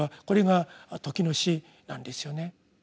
これが「時の詩」なんですよね。